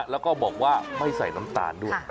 แล้วก็บอกว่าไม่ใส่น้ำตาลด้วย